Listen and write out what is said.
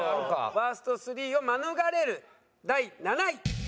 ワースト３を免れる第７位。